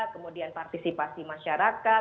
kemudian partisipasi masyarakat